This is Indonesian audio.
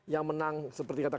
yang menang seperti kata